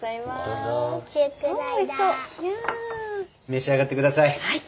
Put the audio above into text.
召し上がって下さい。